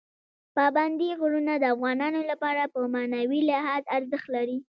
پابندی غرونه د افغانانو لپاره په معنوي لحاظ ارزښت لري.